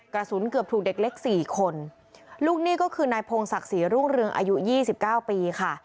กระสุนเกือบถูกเด็กเล็กสี่คนลูกหนี้ก็คือนายพงศักดิ์ศรีรุ่งเรืองอายุยี่สิบเก้าปีค่ะ